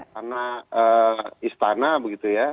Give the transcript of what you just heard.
karena istana begitu ya